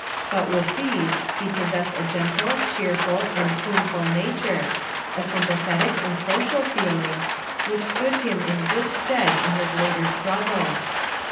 But with these he possessed a gentle, cheerful, and tuneful nature, a sympathetic and social feeling, which stood him in good stead in his later struggles.